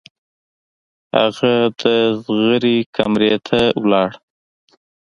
هغه د زغرې کمرې ته لاړ.